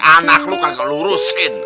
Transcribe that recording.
anak lu kagak lu urusin